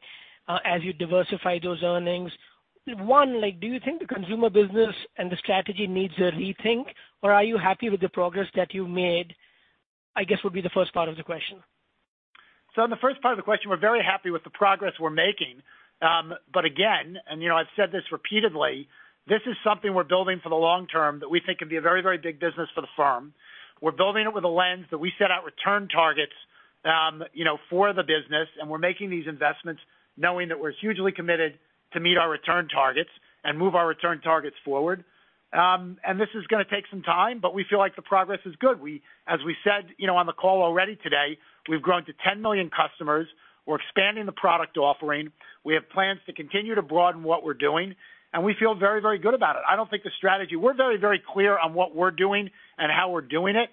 as you diversify those earnings. Like, do you think the consumer business and the strategy needs a rethink, or are you happy with the progress that you made? I guess would be the first part of the question. On the first part of the question, we're very happy with the progress we're making. Again, you know, I've said this repeatedly, this is something we're building for the long term that we think can be a very, very big business for the firm. We're building it with a lens that we set out return targets, you know, for the business. We're making these investments knowing that we're hugely committed to meet our return targets and move our return targets forward. This is gonna take some time, but we feel like the progress is good. We, as we said, you know, on the call already today, we've grown to 10 million customers. We're expanding the product offering. We have plans to continue to broaden what we're doing, and we feel very, very good about it. I don't think the strategy. We're very, very clear on what we're doing and how we're doing it.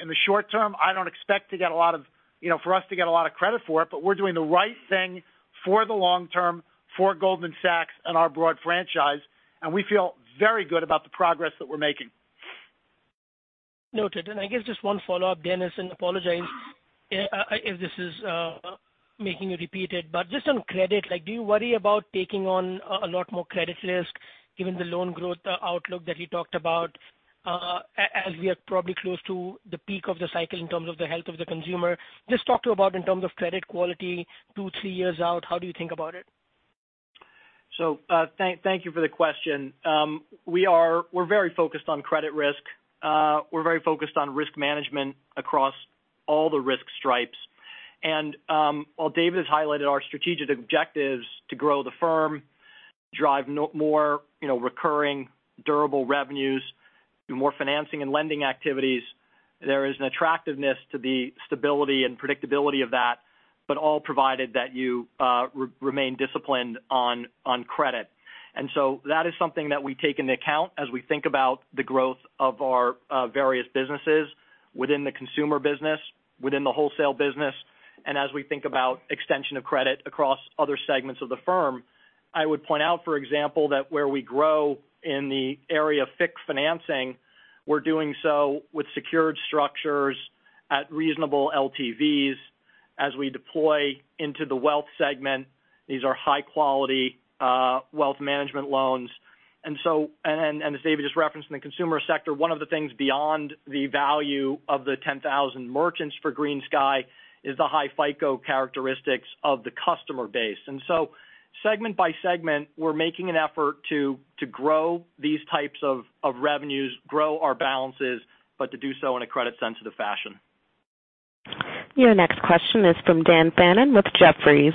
In the short term, I don't expect to get a lot of, you know, for us to get a lot of credit for it, but we're doing the right thing for the long term for Goldman Sachs and our broad franchise, and we feel very good about the progress that we're making. Noted. I guess just one follow-up, Denis, and I apologize if this is making you repeat it. Just on credit, like, do you worry about taking on a lot more credit risk given the loan growth outlook that you talked about, as we are probably close to the peak of the cycle in terms of the health of the consumer? Just talk about in terms of credit quality two, three years out, how do you think about it? Thank you for the question. We're very focused on credit risk. We're very focused on risk management across all the risk stripes. While David has highlighted our strategic objectives to grow the firm, drive more, you know, recurring durable revenues through more financing and lending activities, there is an attractiveness to the stability and predictability of that, but all provided that you remain disciplined on credit. That is something that we take into account as we think about the growth of our various businesses within the consumer business, within the wholesale business, and as we think about extension of credit across other segments of the firm. I would point out, for example, that where we grow in the area of fixed financing, we're doing so with secured structures at reasonable LTVs. As we deploy into the wealth segment, these are high-quality wealth management loans. As David just referenced in the consumer sector, one of the things beyond the value of the 10,000 merchants for GreenSky is the high FICO characteristics of the customer base. Segment by segment, we're making an effort to grow these types of revenues, grow our balances, but to do so in a credit-sensitive fashion. Your next question is from Dan Fannon with Jefferies.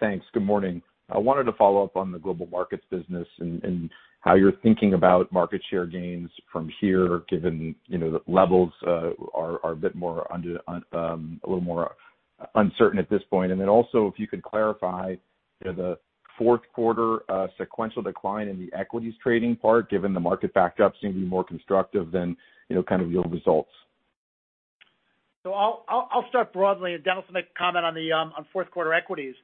Thanks. Good morning. I wanted to follow up on the global markets business and how you're thinking about market share gains from here, given, you know, the levels are a bit more under a little more uncertain at this point. Then also if you could clarify, you know, the fourth quarter sequential decline in the equities trading part, given the market backed up seemed to be more constructive than, you know, kind of real results. I'll start broadly and Denis will make a comment on fourth quarter equities.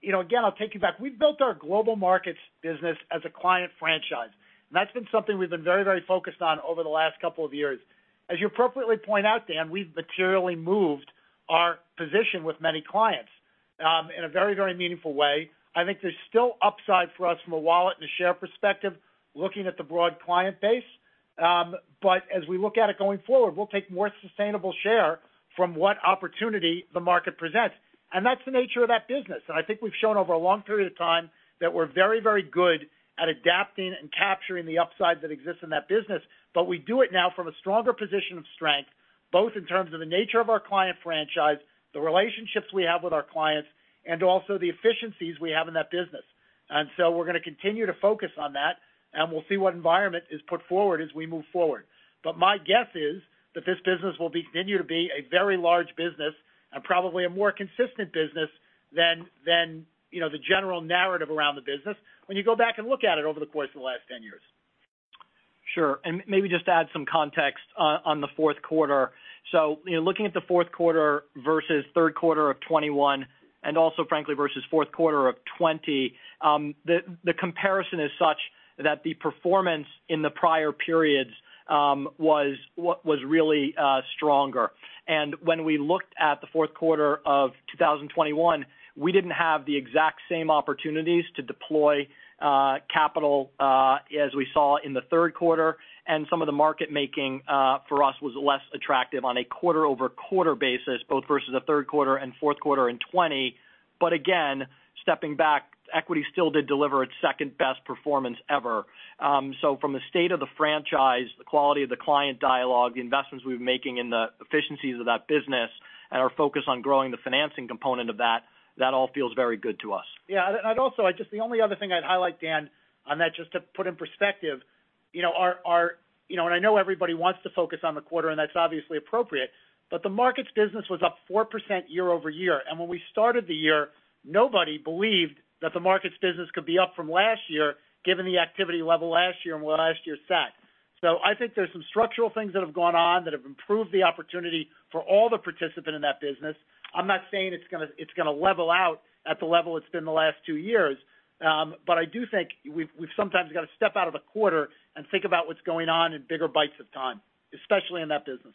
You know, again, I'll take you back. We've built our global markets business as a client franchise, and that's been something we've been very, very focused on over the last couple of years. As you appropriately point out, Dan, we've materially moved our position with many clients in a very, very meaningful way. I think there's still upside for us from a wallet and a share perspective, looking at the broad client base. As we look at it going forward, we'll take more sustainable share from what opportunity the market presents. That's the nature of that business. I think we've shown over a long period of time that we're very, very good at adapting and capturing the upside that exists in that business. We do it now from a stronger position of strength, both in terms of the nature of our client franchise, the relationships we have with our clients, and also the efficiencies we have in that business. We're gonna continue to focus on that, and we'll see what environment is put forward as we move forward. My guess is that this business will continue to be a very large business and probably a more consistent business than you know, the general narrative around the business when you go back and look at it over the course of the last 10 years. Sure. Maybe just add some context on the fourth quarter. You know, looking at the fourth quarter versus third quarter of 2021 and also frankly versus fourth quarter of 2020, the comparison is such that the performance in the prior periods was what was really stronger. When we looked at the fourth quarter of 2021, we didn't have the exact same opportunities to deploy capital as we saw in the third quarter. Some of the market making for us was less attractive on a quarter-over-quarter basis, both versus the third quarter and fourth quarter in 2020. Again, stepping back, equity still did deliver its second-best performance ever. From the state of the franchise, the quality of the client dialogue, the investments we've been making in the efficiencies of that business, and our focus on growing the financing component of that all feels very good to us. Yeah. Also, the only other thing I'd highlight, Dan, on that, just to put in perspective, you know, our. You know, I know everybody wants to focus on the quarter, and that's obviously appropriate, but the Markets business was up 4% year-over-year. When we started the year, nobody believed that the Markets business could be up from last year, given the activity level last year and where last year sat. I think there's some structural things that have gone on that have improved the opportunity for all the participants in that business. I'm not saying it's gonna level out at the level it's been the last two years. I do think we've sometimes got to step out of the quarter and think about what's going on in bigger bites of time, especially in that business.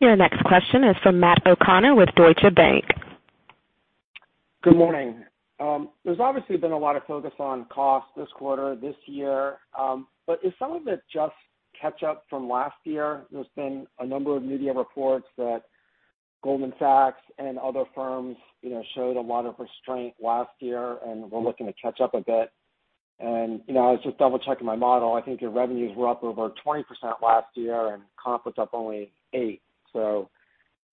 Your next question is from Matt O'Connor with Deutsche Bank. Good morning. There's obviously been a lot of focus on cost this quarter, this year, but is some of it just catch up from last year? There's been a number of media reports that Goldman Sachs and other firms, you know, showed a lot of restraint last year and were looking to catch up a bit. You know, I was just double-checking my model. I think your revenues were up over 20% last year and comp was up only 8%.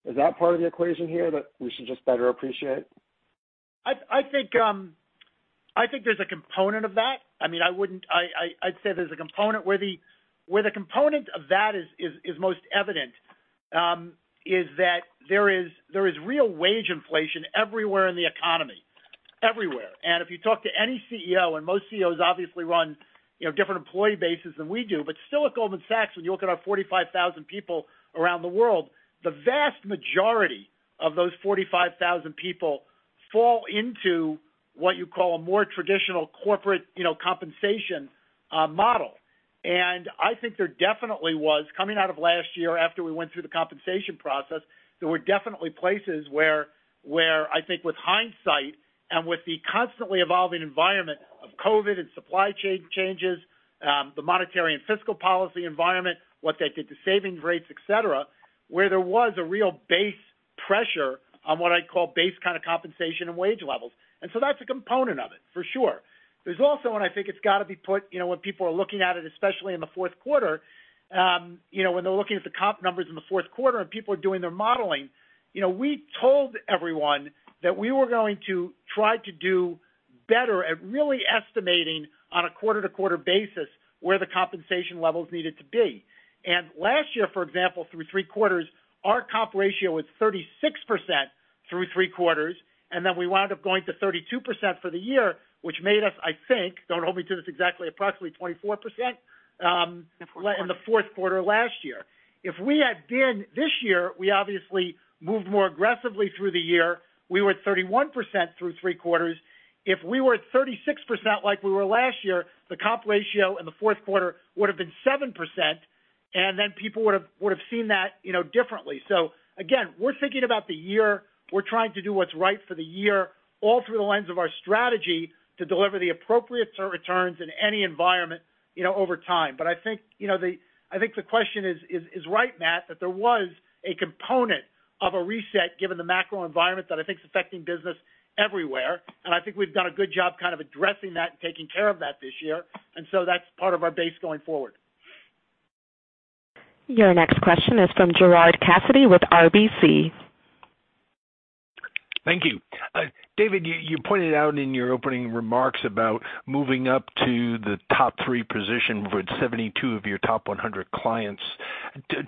Is that part of the equation here that we should just better appreciate? I think there's a component of that. I mean, I'd say there's a component where the component of that is most evident is that there is real wage inflation everywhere in the economy, everywhere. If you talk to any CEO, and most CEOs obviously run, you know, different employee bases than we do, but still at Goldman Sachs, when you look at our 45,000 people around the world, the vast majority of those 45,000 people fall into what you call a more traditional corporate, you know, compensation model. I think there definitely was coming out of last year after we went through the compensation process, there were definitely places where I think with hindsight and with the constantly evolving environment of COVID and supply changes, the monetary and fiscal policy environment, what that did to saving rates, et cetera, where there was a real base pressure on what I'd call base kind of compensation and wage levels. That's a component of it for sure. There's also, and I think it's got to be put, you know, when people are looking at it, especially in the fourth quarter, you know, when they're looking at the comp numbers in the fourth quarter and people are doing their modeling. You know, we told everyone that we were going to try to do better at really estimating on a quarter-to-quarter basis where the compensation levels needed to be. Last year, for example, through three quarters, our comp ratio was 36% through three quarters, and then we wound up going to 32% for the year, which made us, I think, don't hold me to this exactly, approximately 24%. In the fourth quarter. In the fourth quarter last year, if we had been this year, we obviously moved more aggressively through the year. We were at 31% through three quarters. If we were at 36% like we were last year, the comp ratio in the fourth quarter would have been 7%, and then people would have seen that, you know, differently. Again, we're thinking about the year. We're trying to do what's right for the year, all through the lens of our strategy to deliver the appropriate total returns in any environment, you know, over time. I think, you know, I think the question is right, Matt, that there was a component of a reset given the macro environment that I think is affecting business everywhere. I think we've done a good job kind of addressing that and taking care of that this year. That's part of our base going forward. Your next question is from Gerard Cassidy with RBC. Thank you. David, you pointed out in your opening remarks about moving up to the top three position with 72 of your top 100 clients.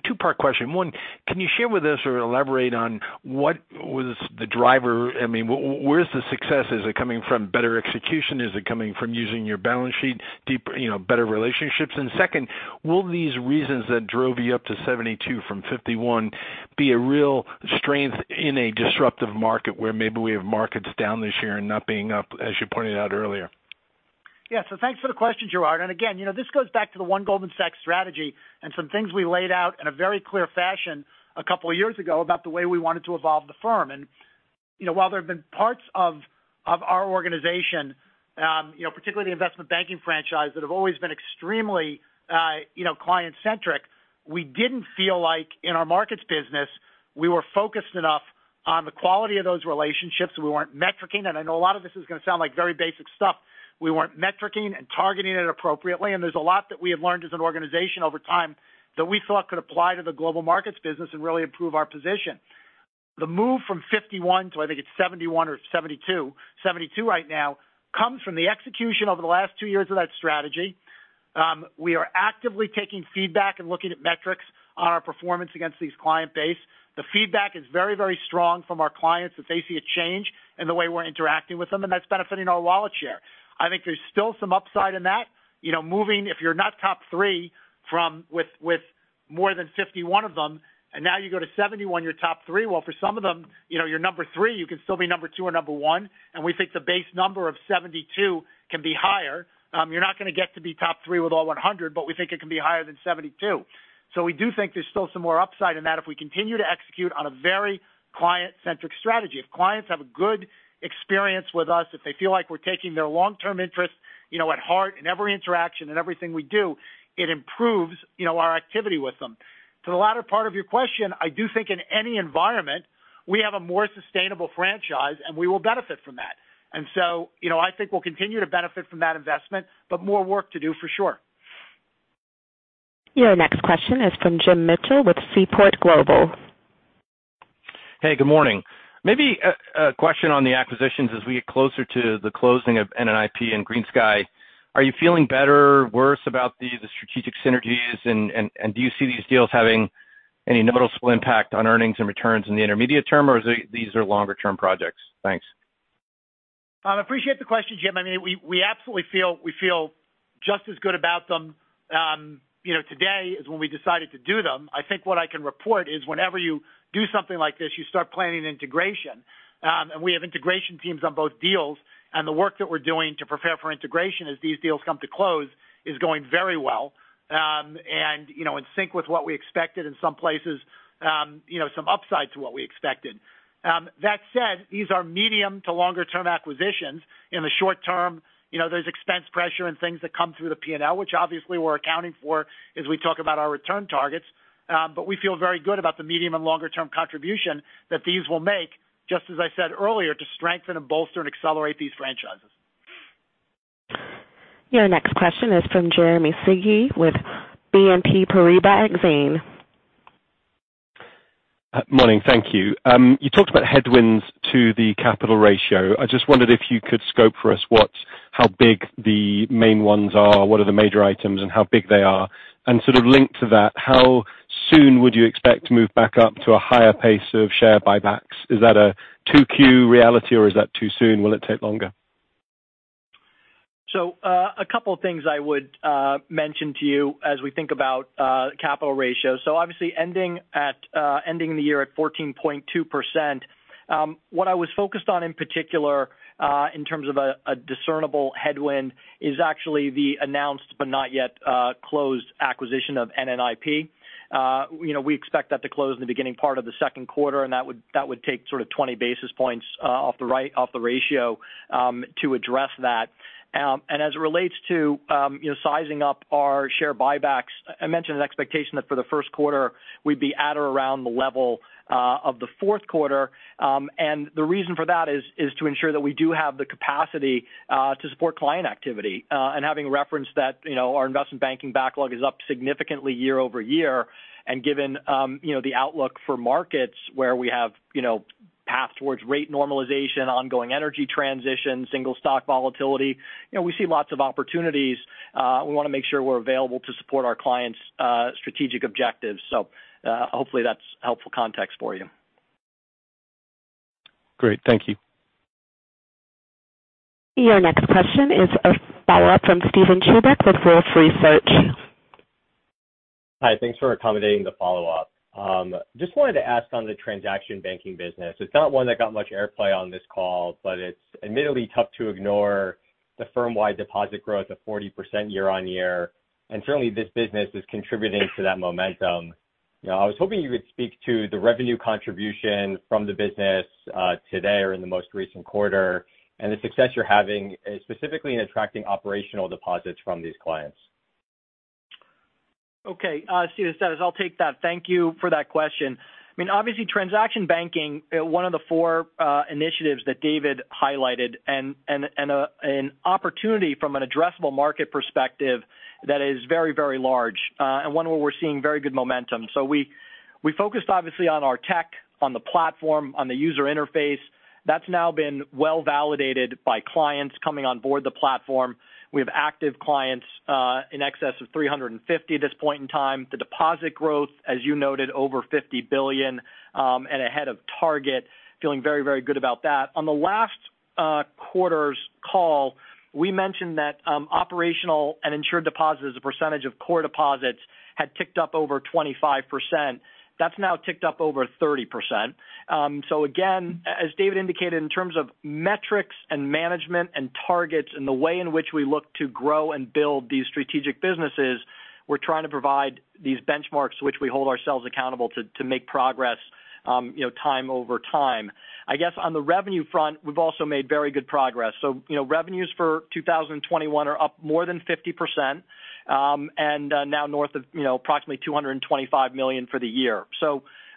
Two-part question. One, can you share with us or elaborate on what was the driver? I mean, where's the success? Is it coming from better execution? Is it coming from using your balance sheet deep, you know, better relationships? And second, will these reasons that drove you up to 72 from 51 be a real strength in a disruptive market where maybe we have markets down this year and not being up, as you pointed out earlier? Yeah. Thanks for the question, Gerard. Again, you know, this goes back to the One Goldman Sachs strategy and some things we laid out in a very clear fashion a couple of years ago about the way we wanted to evolve the firm. You know, while there have been parts of our organization, you know, particularly the investment banking franchise, that have always been extremely, you know, client-centric, we didn't feel like in our markets business, we were focused enough on the quality of those relationships. We weren't metricing. I know a lot of this is going to sound like very basic stuff. We weren't metricing and targeting it appropriately. There's a lot that we have learned as an organization over time that we thought could apply to the global markets business and really improve our position. The move from 51 to, I think it's 71 or 72 right now, comes from the execution over the last 2 years of that strategy. We are actively taking feedback and looking at metrics on our performance against these client base. The feedback is very, very strong from our clients that they see a change in the way we're interacting with them, and that's benefiting our wallet share. I think there's still some upside in that. You know, moving, if you're not top three from with more than 51 of them, and now you go to 71, you're top three. Well, for some of them, you know, you're number three, you can still be number two or number one. We think the base number of 72 can be higher. You're not going to get to be top three with all 100, but we think it can be higher than 72. We do think there's still some more upside in that if we continue to execute on a very client-centric strategy. If clients have a good experience with us, if they feel like we're taking their long-term interest, you know, at heart in every interaction and everything we do, it improves, you know, our activity with them. To the latter part of your question, I do think in any environment, we have a more sustainable franchise, and we will benefit from that. You know, I think we'll continue to benefit from that investment, but more work to do for sure. Your next question is from Jim Mitchell with Seaport Global. Hey, good morning. Maybe a question on the acquisitions as we get closer to the closing of NNIP and GreenSky. Are you feeling better or worse about the strategic synergies? And do you see these deals having any noticeable impact on earnings and returns in the intermediate term, or these are longer-term projects? Thanks. Appreciate the question, Jim. I mean, we absolutely feel just as good about them, you know, today as when we decided to do them. I think what I can report is whenever you do something like this, you start planning integration. We have integration teams on both deals. The work that we're doing to prepare for integration as these deals come to close is going very well. You know, in sync with what we expected in some places, you know, some upside to what we expected. That said, these are medium to longer-term acquisitions. In the short term, you know, there's expense pressure and things that come through the P&L, which obviously we're accounting for as we talk about our return targets. We feel very good about the medium and longer-term contribution that these will make, just as I said earlier, to strengthen and bolster and accelerate these franchises. Your next question is from Jeremy Sigee with Exane BNP Paribas Morning. Thank you. You talked about headwinds to the capital ratio. I just wondered if you could scope for us what, how big the main ones are, what are the major items and how big they are? Sort of linked to that, how soon would you expect to move back up to a higher pace of share buybacks? Is that a 2Q reality, or is that too soon? Will it take longer? A couple of things I would mention to you as we think about capital ratio. Obviously ending the year at 14.2%. What I was focused on in particular in terms of a discernible headwind is actually the announced but not yet closed acquisition of NNIP. You know, we expect that to close in the beginning part of the second quarter, and that would take sort of 20 basis points off the ratio to address that. As it relates to you know, sizing up our share buybacks, I mentioned an expectation that for the first quarter we'd be at or around the level of the fourth quarter. The reason for that is to ensure that we do have the capacity to support client activity, and having referenced that, you know, our investment banking backlog is up significantly year-over-year. Given the outlook for markets where we have, you know, path towards rate normalization, ongoing energy transition, single stock volatility, you know, we see lots of opportunities. We wanna make sure we're available to support our clients' strategic objectives. Hopefully that's helpful context for you. Great. Thank you. Your next question is a follow-up from Steven Chubak with Wolfe Research. Hi. Thanks for accommodating the follow-up. Just wanted to ask on the transaction banking business, it's not one that got much airplay on this call, but it's admittedly tough to ignore the firm-wide deposit growth of 40% year-over-year, and certainly this business is contributing to that momentum. You know, I was hoping you could speak to the revenue contribution from the business today or in the most recent quarter, and the success you're having specifically in attracting operational deposits from these clients. Okay. Steven, it's Dennis. I'll take that. Thank you for that question. I mean, obviously, transaction banking, one of the four initiatives that David highlighted and an opportunity from an addressable market perspective that is very, very large, and one where we're seeing very good momentum. We focused obviously on our tech, on the platform, on the user interface. That's now been well-validated by clients coming on board the platform. We have active clients in excess of 350 at this point in time. The deposit growth, as you noted, over 50 billion, and ahead of target. Feeling very, very good about that. On the last quarter's call, we mentioned that operational and insured deposits as a percentage of core deposits had ticked up over 25%. That's now ticked up over 30%. Again, as David indicated in terms of metrics and management and targets and the way in which we look to grow and build these strategic businesses, we're trying to provide these benchmarks which we hold ourselves accountable to make progress, you know, time over time. I guess on the revenue front, we've also made very good progress. You know, revenues for 2021 are up more than 50%, and now north of, you know, approximately 225 million for the year.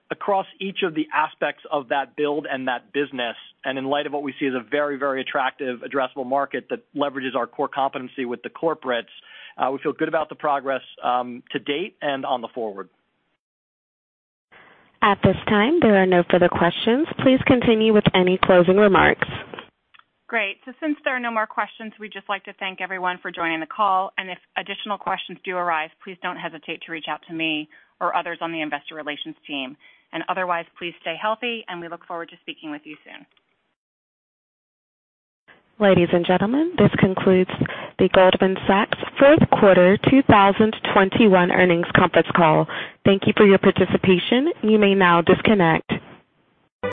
Across each of the aspects of that build and that business, and in light of what we see as a very, very attractive addressable market that leverages our core competency with the corporates, we feel good about the progress to date and on the forward. At this time, there are no further questions. Please continue with any closing remarks. Great. Since there are no more questions, we'd just like to thank everyone for joining the call. If additional questions do arise, please don't hesitate to reach out to me or others on the investor relations team. Otherwise, please stay healthy, and we look forward to speaking with you soon. Ladies and gentlemen, this concludes the Goldman Sachs fourth quarter 2021 earnings conference call. Thank you for your participation. You may now disconnect.